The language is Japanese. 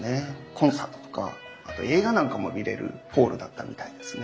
コンサートとかあと映画なんかも見れるホールだったみたいですね。